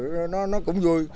rồi nó cũng vui